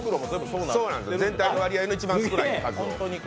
全体の割合の一番少ない数を。